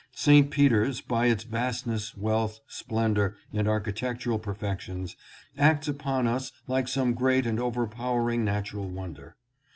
St. Peter's, by its vastness, wealth, splendor, and architectural perfections, acts upon. us like some great and overpowering natural wonder.